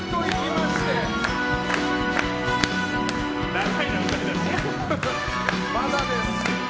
まだです。